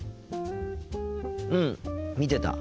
うん見てた。